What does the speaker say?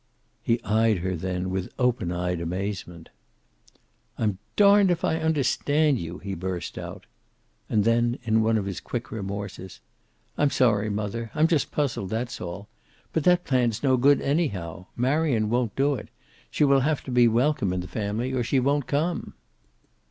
He eyed her then with open eyed amazement. "I'm darned if I understand you," he burst out. And then, in one of his quick remorses, "I'm sorry, mother. I'm just puzzled, that's all. But that plan's no good, anyhow. Marion won't do it. She will have to be welcome in the family, or she won't come."